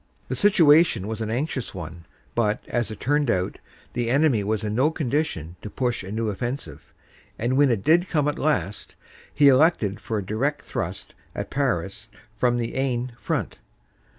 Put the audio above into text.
The situation was an anxious one, but, as it turned out, the enemy was in no condition to push a new offensive and when it did come at last he elected for a direct thrust at Paris from the Aisne front.